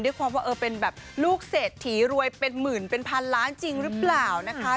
ความว่าเออเป็นแบบลูกเศรษฐีรวยเป็นหมื่นเป็นพันล้านจริงหรือเปล่านะคะ